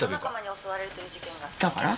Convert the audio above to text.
だから？